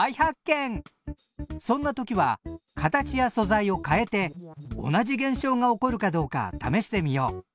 そんな時は形や素材を変えて同じ現象が起こるかどうか試してみよう！